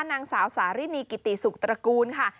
นางสาวสารินีกิติสุขตระกูลค่ะ